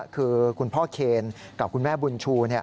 คือคุณพ่อเคนกับคุณแม่บุญชู